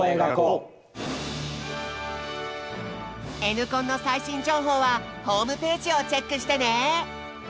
「Ｎコン」の最新情報はホームページをチェックしてね！